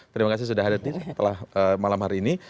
terima kasih sudah hadir setelah malam hari ini